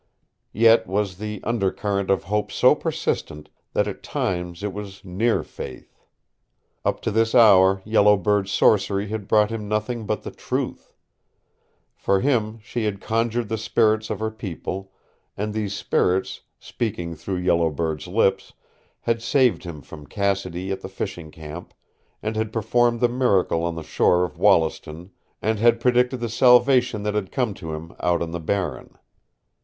Yet was the under current of hope so persistent that at times it was near faith. Up to this hour Yellow Bird's sorcery had brought him nothing but the truth. For him she had conjured the spirits of her people, and these spirits, speaking through Yellow Bird's lips, had saved him from Cassidy at the fishing camp and had performed the miracle on the shore of Wollaston and had predicted the salvation that had come to him out on the Barren.